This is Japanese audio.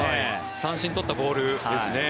三振取ったボールですね。